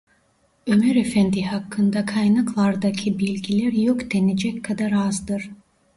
Ömer Efendi hakkında kaynaklardaki bilgiler yok denecek kadar azdır.